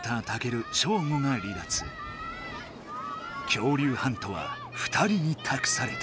恐竜ハントは２人にたくされた。